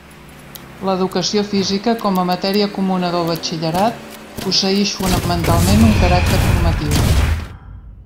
L'Educació Física, com a matèria comuna del Batxillerat, posseïx fonamentalment un caràcter formatiu.